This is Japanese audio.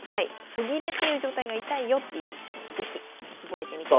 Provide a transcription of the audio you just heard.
歩切れっていう状態が痛いよって是非覚えてみてください。